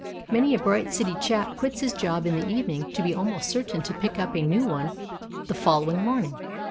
Many a bright city chap quits his job in the evening to be almost certain to pick up a new one the following morning.